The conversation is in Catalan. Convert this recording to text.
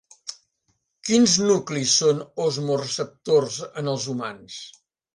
Quins nuclis són osmoreceptors en els humans?